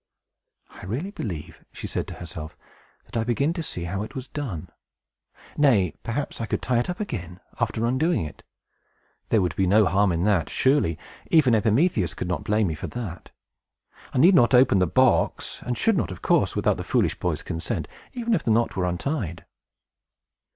"I really believe," said she to herself, "that I begin to see how it was done. Nay, perhaps I could tie it up again, after undoing it. There would be no harm in that, surely. Even Epimetheus would not blame me for that. I need not open the box, and should not, of course, without the foolish boy's consent, even if the knot were untied."